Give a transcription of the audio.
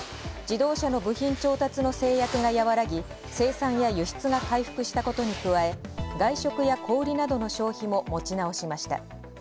自動車の部品調達の制約が和らぎ生産や輸出が回復したことに加え、外食や小売などの消費も持ち直しました。